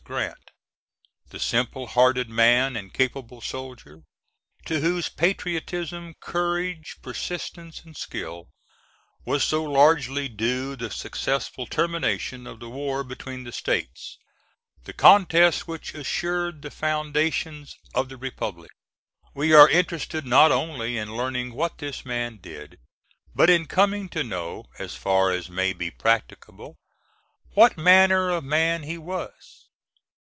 Grant, the simple hearted man and capable soldier, to whose patriotism, courage, persistence, and skill was so largely due the successful termination of the war between the States, the contest which assured the foundations of the Republic. We are interested not only in learning what this man did, but in coming to know, as far as may be practicable, what manner of man he was.